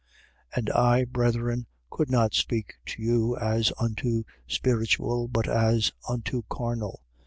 3:1. And I, brethren, could not speak to you as unto spiritual, but as unto carnal.